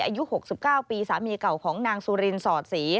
อายุ๖๙ปีสามีเก่าของนางสุรินสอดศรี